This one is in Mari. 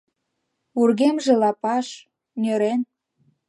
Вургемже лапаш — нӧрен.